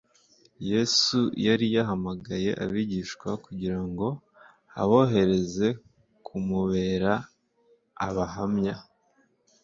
Yesu yari yahamaganye abigishwa kugira ngo abohereze kumubera abahamya,